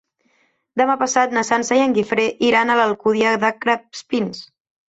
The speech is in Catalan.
Demà passat na Sança i en Guifré iran a l'Alcúdia de Crespins.